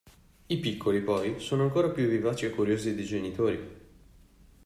I piccoli poi sono ancora più vivaci e curiosi dei genitori.